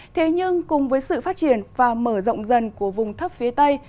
thế nhưng cùng với sự phát triển và mở rộng dần của vùng thấp phía tây